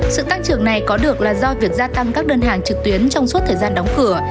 sự tăng trưởng này có được là do việc gia tăng các đơn hàng trực tuyến trong suốt thời gian đóng cửa